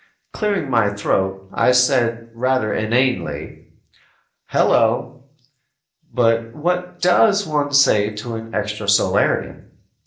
Clearing my throat, I said rather inanely, "Hello!" but what does one say to an extrasolarian?